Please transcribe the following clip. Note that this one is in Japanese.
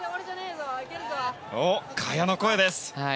萱の声です。